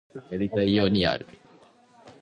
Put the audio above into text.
やりたいようにやる